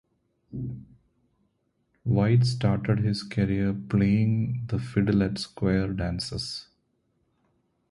White started his career playing the fiddle at square dances.